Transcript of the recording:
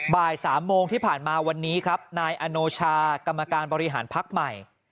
บ่าย๓โมงที่ผ่านมาวันนี้ครับนายอโนชากรรมการบริหารพักใหม่